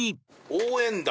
応援団。